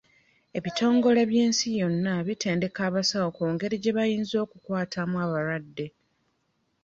Ebitongole by'ensi yonna bitendeka abasawo ku ngeri gye bayinza okukwatamu abalwadde.